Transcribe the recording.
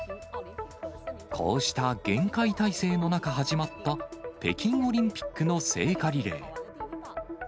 こうした厳戒態勢の中、始まった北京オリンピックの聖火リレー。